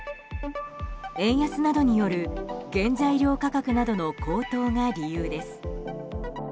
円安などによる原材料価格などの高騰が理由です。